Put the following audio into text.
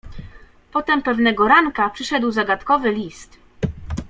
"Potem pewnego ranka przyszedł zagadkowy list."